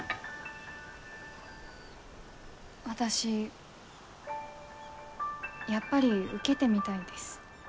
私やっぱり受けてみたいです。